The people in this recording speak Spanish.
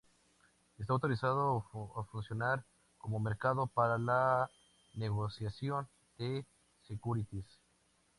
Está autorizado a funcionar como mercado para la negociación de "securities".